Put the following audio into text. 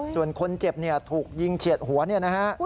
ส่วนคนเจ็บถูกยิงเฉียดหัวนะครับ